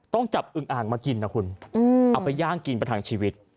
ต้องจับอึ้งอ่านมากินแล้วคุณเอาไปย่างกินไปทางชีวิต